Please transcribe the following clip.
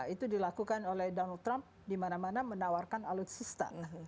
itu dilakukan oleh donald trump dimana mana menawarkan alutsista